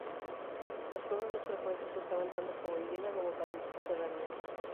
Las cuevas, más frecuentes, se usaban tanto como vivienda como para enterramiento.